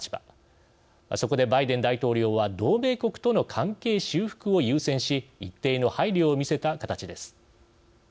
そこでバイデン大統領は同盟国との関係修復を優先し一定の配慮を見せた形です。